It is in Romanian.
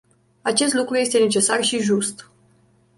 Acest lucru este necesar și just.